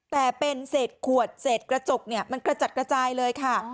แต่เป็นเศษขวดเศษกระจกเนี่ยมันกระจัดกระจายเลยค่ะ